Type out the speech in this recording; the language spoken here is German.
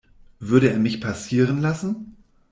Würde er mich passieren lassen?